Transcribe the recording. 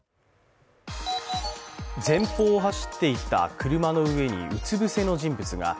前方を走っていた車の上にうつ伏せの人物が。